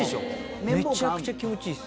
めちゃくちゃ気持ちいいっす。